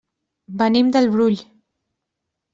Venim del Brull.